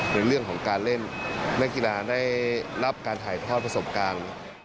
ในเรื่องของการเล่นนักกีฬาได้รับการถ่ายทอดประสบการณ์